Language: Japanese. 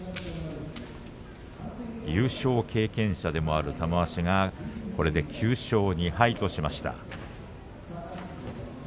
優勝経験者でもある玉鷲がこれで９勝２敗としました。